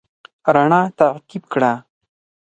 رڼا تعقيب کړه.